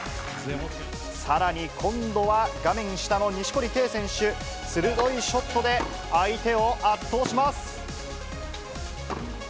さらに今度は、画面下の錦織圭選手、鋭いショットで相手を圧倒します。